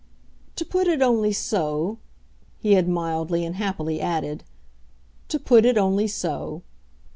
"To put it only so," he had mildly and happily added "to put it only so!"